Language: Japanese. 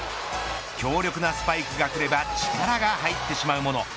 強力なスパイクがくれば力が入ってしまうもの。